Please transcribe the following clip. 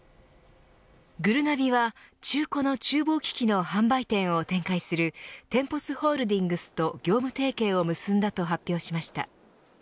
ぐるなびは中古の厨房機器の販売店を展開するテンポスホールディングスと業務提携を結んだと発表しました。